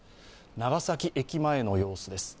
長崎駅前の様子です。